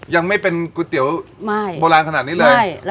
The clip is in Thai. ยังไม่เป็นก๋วยเตี๋ยวโบราณขนาดนี้เลย